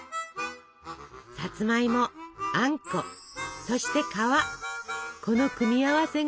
さつまいもあんこそして皮この組み合わせが最高なの！